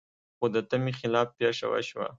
خو د تمې خلاف پېښه وشوه.